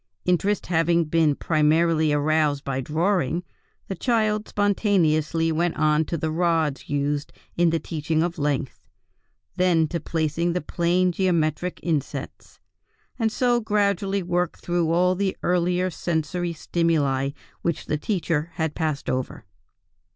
Interest having been primarily aroused by drawing, the child spontaneously went on to the rods used in the teaching of length, then to placing the plane geometric insets, and so gradually worked through all the earlier sensory stimuli which the teacher had passed over."